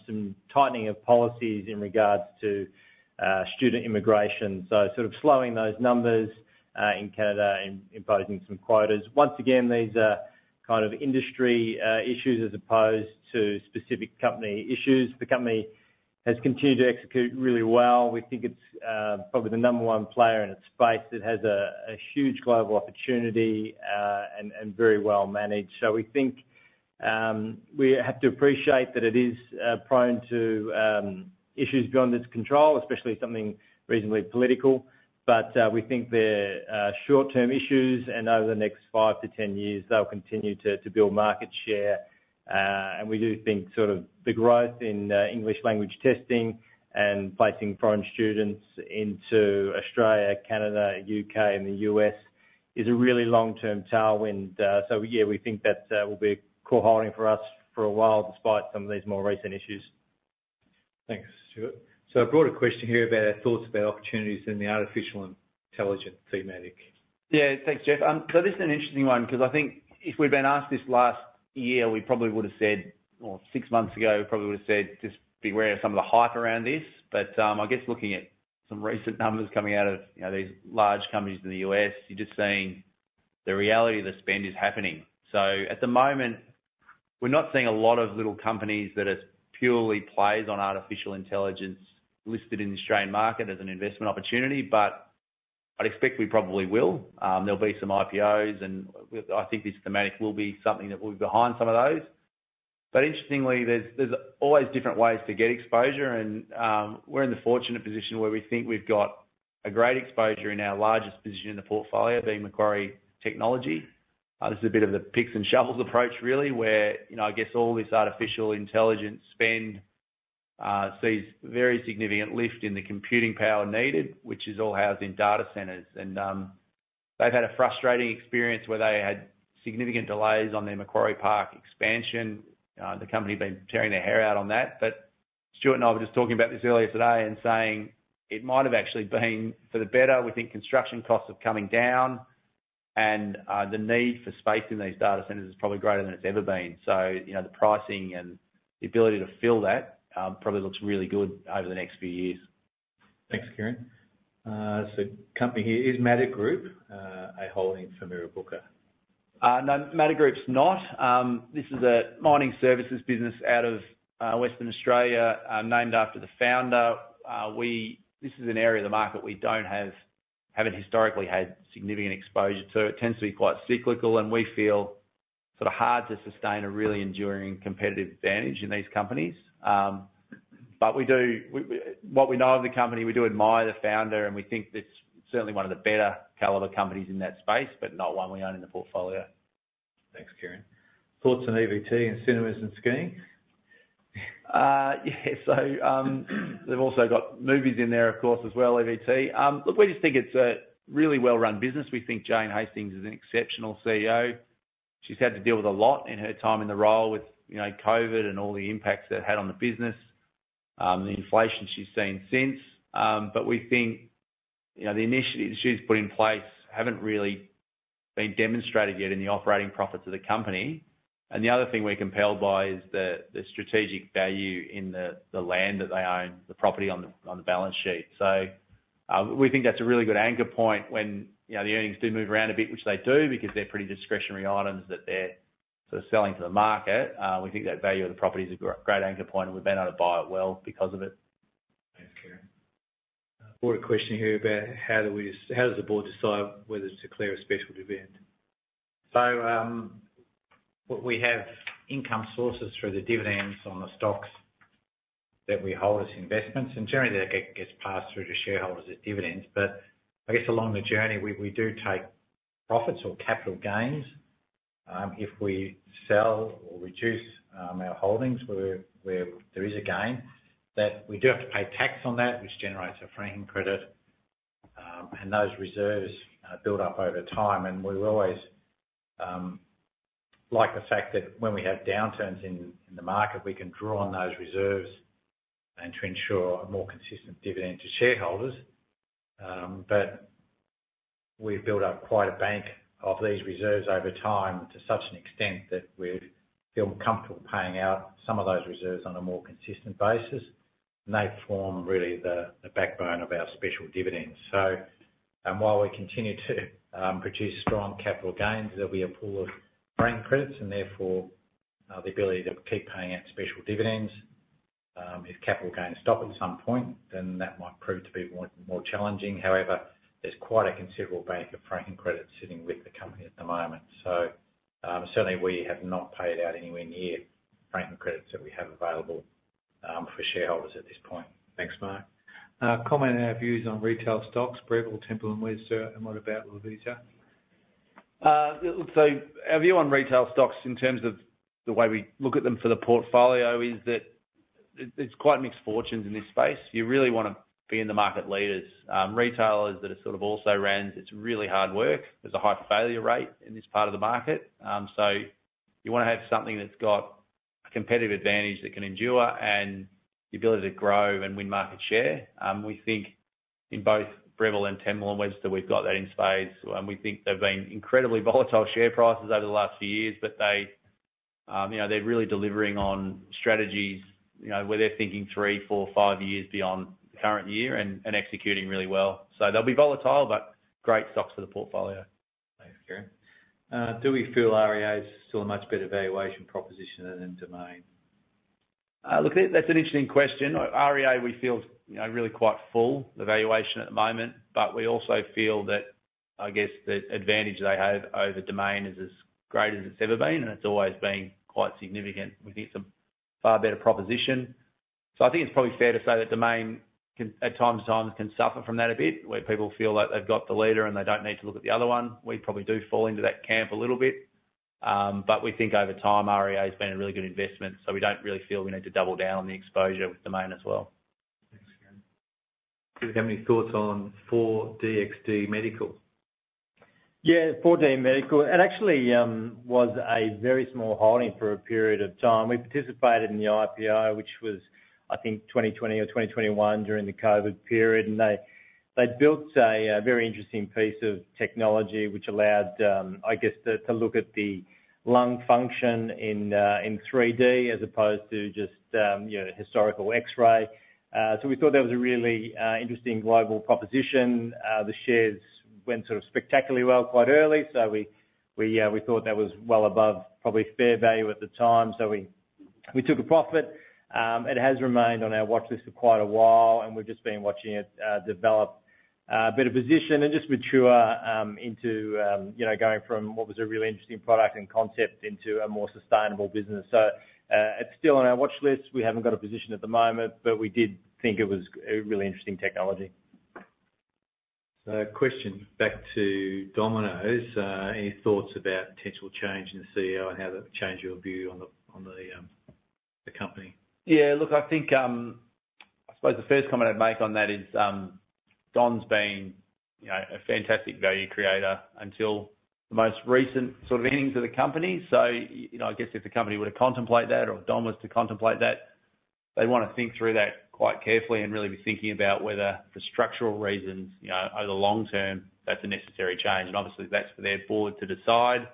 some tightening of policies in regards to student immigration, so sort of slowing those numbers in Canada and imposing some quotas. Once again, these are kind of industry issues as opposed to specific company issues. The company has continued to execute really well. We think it's probably the number one player in its space. It has a huge global opportunity and very well managed. We think we have to appreciate that it is prone to issues beyond its control, especially something reasonably political. We think they're short-term issues, and over the next five to ten years, they'll continue to build market share. We do think sort of the growth in English language testing and placing foreign students into Australia, Canada, U.K., and the U.S. is a really long-term tailwind. Yeah, we think that will be core holding for us for a while, despite some of these more recent issues. Thanks, Stuart. A broader question here about our thoughts about opportunities in the artificial intelligence thematic. Yeah. Thanks, Geoff. This is an interesting one because I think if we'd been asked this last year, we probably would have said, or six months ago, we probably would have said, "Just be aware of some of the hype around this." I guess looking at some recent numbers coming out of, you know, these large companies in the U.S., you're just seeing the reality of the spend is happening. At the moment, we're not seeing a lot of little companies that are purely plays on artificial intelligence listed in the Australian market as an investment opportunity, but I'd expect we probably will. There'll be some IPOs, and I think this thematic will be something that will be behind some of those. Interestingly, there's always different ways to get exposure, and we're in the fortunate position where we think we've got a great exposure in our largest position in the portfolio, being Macquarie Technology. This is a bit of the picks and shovels approach, really, where, you know, I guess all this artificial intelligence spend sees very significant lift in the computing power needed, which is all housed in data centers. They've had a frustrating experience where they had significant delays on their Macquarie Park expansion. The company been tearing their hair out on that. Stuart and I were just talking about this earlier today and saying it might have actually been for the better. We think construction costs are coming down, and the need for space in these data centers is probably greater than it's ever been. You know, the pricing and the ability to fill that, probably looks really good over the next few years. Thanks, Kieran. Company here is Mader Group, a holding for Mirrabooka. No, Mader Group's not. This is a mining services business out of Western Australia, named after the founder. This is an area of the market we don't have, haven't historically had significant exposure to. It tends to be quite cyclical, and we feel sort of hard to sustain a really enduring competitive advantage in these companies. What we know of the company, we do admire the founder, and we think that's certainly one of the better caliber companies in that space, but not one we own in the portfolio. Thanks, Kieran. Thoughts on EVT and cinemas and skiing? Yeah. They've also got movies in there, of course, as well, EVT. Look, we just think it's a really well-run business. We think Jane Hastings is an exceptional CEO. She's had to deal with a lot in her time in the role with, you know, COVID and all the impacts that had on the business, the inflation she's seen since. We think, you know, the initiatives she's put in place haven't really been demonstrated yet in the operating profits of the company. The other thing we're compelled by is the strategic value in the land that they own, the property on the balance sheet. We think that's a really good anchor point when, you know, the earnings do move around a bit, which they do, because they're pretty discretionary items that they're sort of selling to the market. We think that value of the property is a great anchor point, and we've been able to buy it well because of it. Thanks, Kieran. Board question here about how does the board decide whether to declare a special dividend? What we have income sources through the dividends on the stocks that we hold as investments, and generally that gets passed through to shareholders as dividends. I guess along the journey, we do take profits or capital gains. If we sell or reduce our holdings, where there is a gain, that we do have to pay tax on that, which generates a franking credit, and those reserves build up over time. We always like the fact that when we have downturns in the market, we can draw on those reserves and to ensure a more consistent dividend to shareholders. We've built up quite a bank of these reserves over time, to such an extent that we'd feel comfortable paying out some of those reserves on a more consistent basis, and they form really the backbone of our special dividends. While we continue to produce strong capital gains, there'll be a pool of franking credits, and therefore the ability to keep paying out special dividends. If capital gains stop at some point, then that might prove to be more challenging. However, there's quite a considerable bank of franking credits sitting with the company at the moment. Certainly we have not paid out anywhere near franking credits that we have available for shareholders at this point. Thanks, Mark. Comment on our views on retail stocks, Breville, Temple & Webster, and what about Lovisa? Look, so our view on retail stocks in terms of the way we look at them for the portfolio is that it's quite mixed fortunes in this space. You really wanna be in the market leaders. Retailers that are sort of also-rans, it's really hard work. There's a high failure rate in this part of the market. You wanna have something that's got a competitive advantage that can endure, and the ability to grow and win market share. We think in both Breville and Temple & Webster, we've got that in spades, and we think they've been incredibly volatile share prices over the last few years, but they, you know, they're really delivering on strategies, you know, where they're thinking three, four, five years beyond the current year and executing really well. They'll be volatile, but great stocks for the portfolio. Thanks, Kieran. Do we feel REA is still a much better valuation proposition than Domain? Look, that's an interesting question. REA, we feel, you know, really quite full, the valuation at the moment, but we also feel that, I guess, the advantage they have over Domain is as great as it's ever been, and it's always been quite significant. We think it's a far better proposition. I think it's probably fair to say that Domain can, at times, suffer from that a bit, where people feel like they've got the leader, and they don't need to look at the other one. We probably do fall into that camp a little bit. But we think over time, REA has been a really good investment, so we don't really feel we need to double down on the exposure with Domain as well. Thanks, Kieran. Do we have any thoughts on 4DMedical? Yeah, 4DMedical. It actually was a very small holding for a period of time. We participated in the IPO, which was, I think, 2020 or 2021, during the COVID period, and they built a very interesting piece of technology which allowed, I guess, to look at the lung function in 3D, as opposed to just, you know, historical X-ray. We thought that was a really interesting global proposition. The shares went sort of spectacularly well quite early, so we thought that was well above probably fair value at the time, so we took a profit. It has remained on our watchlist for quite a while, and we've just been watching it develop a bit of position and just mature into you know, going from what was a really interesting product and concept into a more sustainable business. It's still on our watchlist. We haven't got a position at the moment, but we did think it was a really interesting technology. A question back to Domino's, any thoughts about potential change in the CEO and how that would change your view on the company? Yeah, look, I think, I suppose the first comment I'd make on that is, Don's been, you know, a fantastic value creator until the most recent sort of innings of the company. you know, I guess if the company were to contemplate that or Don was to contemplate that, they'd wanna think through that quite carefully and really be thinking about whether, for structural reasons, you know, over the long term, that's a necessary change. Obviously, that's for their board to decide.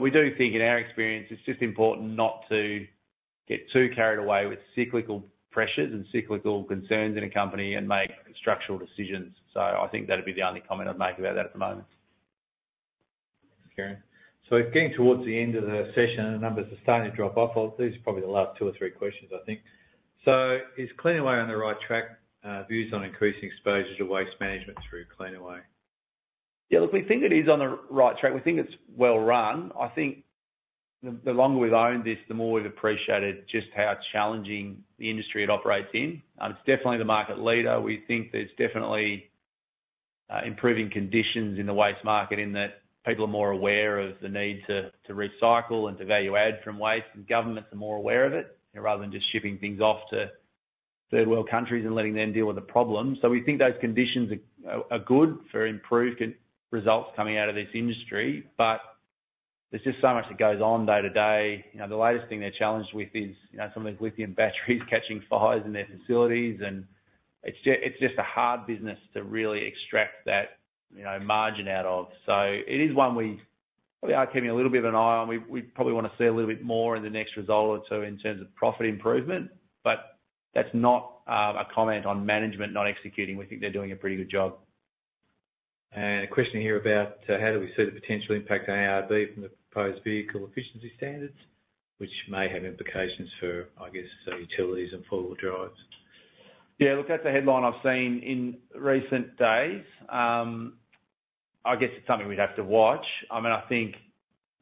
we do think in our experience, it's just important not to get too carried away with cyclical pressures and cyclical concerns in a company and make structural decisions. I think that'd be the only comment I'd make about that at the moment. Okay. We're getting towards the end of the session, and the numbers are starting to drop off. Well, this is probably the last two or three questions, I think. Is Cleanaway on the right track, views on increasing exposure to waste management through Cleanaway? Yeah, look, we think it is on the right track. We think it's well run. I think the longer we've owned this, the more we've appreciated just how challenging the industry it operates in. It's definitely the market leader. We think there's definitely improving conditions in the waste market, in that people are more aware of the need to recycle and to value add from waste, and governments are more aware of it, rather than just shipping things off to Third World countries and letting them deal with the problem. We think those conditions are good for improved results coming out of this industry, but there's just so much that goes on day to day. You know, the latest thing they're challenged with is, you know, some of the lithium batteries catching fires in their facilities, and it's just, it's just a hard business to really extract that, you know, margin out of. It is one we are keeping a little bit of an eye on. We probably wanna see a little bit more in the next result or two in terms of profit improvement, but that's not a comment on management not executing. We think they're doing a pretty good job. A question here about, how do we see the potential impact on ARB from the proposed vehicle efficiency standards, which may have implications for, I guess, utilities and four-wheel drives? Yeah, look, that's a headline I've seen in recent days. I guess it's something we'd have to watch. I mean, I think at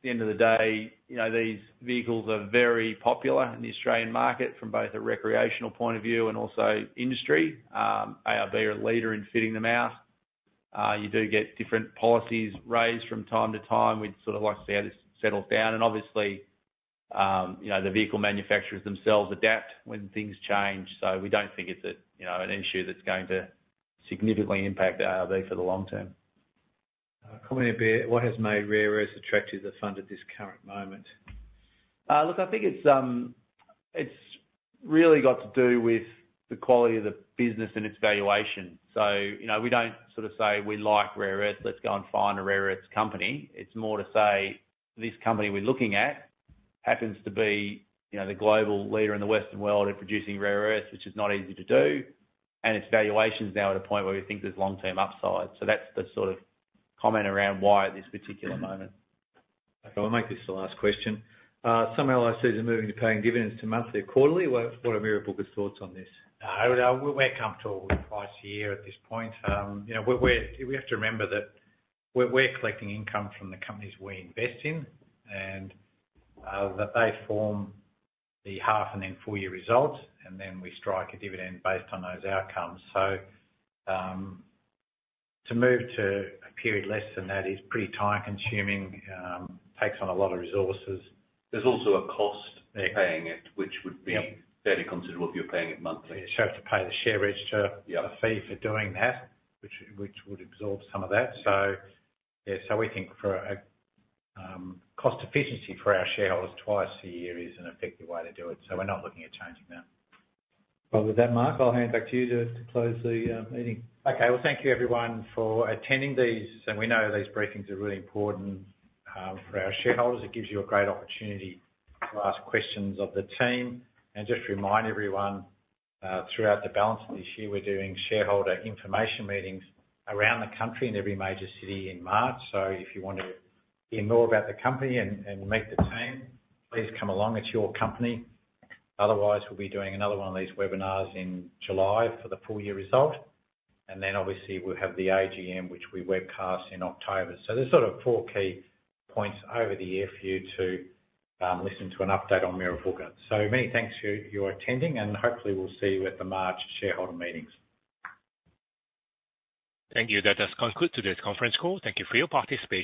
the end of the day, you know, these vehicles are very popular in the Australian market, from both a recreational point of view and also industry. ARB are a leader in fitting them out. You do get different policies raised from time to time. We'd sort of like to see how this settles down, and obviously, you know, the vehicle manufacturers themselves adapt when things change. We don't think it's a, you know, an issue that's going to significantly impact ARB for the long term. Comment a bit, what has made rare earths attractive to the fund at this current moment? Look, I think it's really got to do with the quality of the business and its valuation. You know, we don't sort of say, "We like rare earths, let's go and find a rare earths company." It's more to say, "This company we're looking at happens to be, you know, the global leader in the Western world at producing rare earths, which is not easy to do, and its valuation is now at a point where we think there's long-term upside." That's the sort of comment around why at this particular moment. Okay, I'll make this the last question. Some of our companies are moving to paying dividends to monthly or quarterly. What are Mirrabooka's thoughts on this? We're comfortable with twice a year at this point. You know, we have to remember that we're collecting income from the companies we invest in, and that they form the half and then full year results, and then we strike a dividend based on those outcomes. To move to a period less than that is pretty time consuming, takes on a lot of resources. There's also a cost to paying it, which would be- Yep. Fairly considerable if you're paying it monthly. You also have to pay the share register- Yep. - a fee for doing that, which would absorb some of that. Yeah, so we think for a cost efficiency for our shareholders, twice a year is an effective way to do it, so we're not looking at changing that. Well, with that, Mark, I'll hand back to you to close the meeting. Okay. Well, thank you everyone for attending this, and we know these briefings are really important for our shareholders. It gives you a great opportunity to ask questions of the team. Just remind everyone, throughout the balance of this year, we're doing shareholder information meetings around the country, in every major city in March. If you want to hear more about the company and meet the team, please come along. It's your company. Otherwise, we'll be doing another one of these webinars in July for the full year result. Then obviously, we'll have the AGM, which we webcast in October. There's sort of four key points over the year for you to listen to an update on Mirrabooka. Many thanks for your attending, and hopefully we'll see you at the March shareholder meetings. Thank you. That does conclude today's conference call. Thank you for your participation.